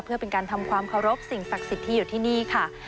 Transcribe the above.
เพื่อเป็นการทำความเคารพสิ่งศักดิ์สิทธิ์ที่อยู่ที่นี่ค่ะ